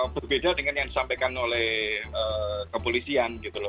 berbeda dengan yang disampaikan oleh kepolisian